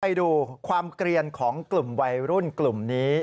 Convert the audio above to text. ไปดูความเกลียนของกลุ่มวัยรุ่นกลุ่มนี้